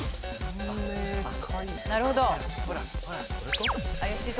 なるほど。